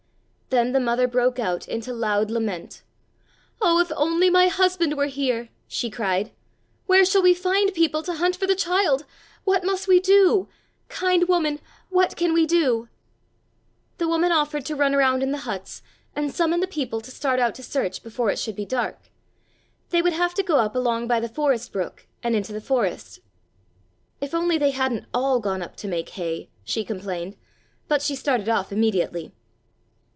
Then the mother broke out into loud lament. "Oh, if only my husband were here!" she cried. "Where shall we find people to hunt for the child? What must we do? Kind woman, what can we do?" The woman offered to run around in the huts and summon the people to start out to search before it should be dark; they would have to go up along by the forest brook, and into the forest. "If only they hadn't all gone up to make hay," she complained, but she started off immediately.